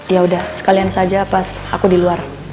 ya udah sekalian saja pas aku di luar